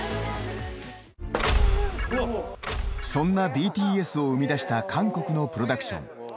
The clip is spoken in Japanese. そんなＢＴＳを生み出した韓国のプロダクション。